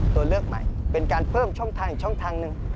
ตัวเลือกใหม่เป็นการเพิ่มช่องทางอีกช่องทางหนึ่ง